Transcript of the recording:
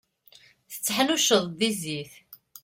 Tetteḥnuccuḍeḍ di zzit.